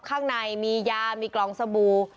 ข้างในมียามีกล่องสบู่